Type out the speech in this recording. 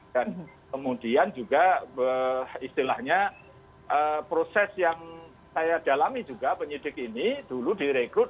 dan kemudian juga istilahnya proses yang saya dalami juga penyidik ini dulu direkrut